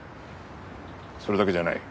それだけじゃない。